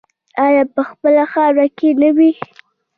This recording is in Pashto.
آیا په خپله خاوره کې نه وي؟